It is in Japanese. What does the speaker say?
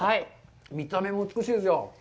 見た目も美しいですよ。